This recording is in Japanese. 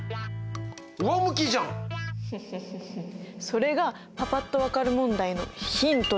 それがパパっと分かる問題のヒントだったのです。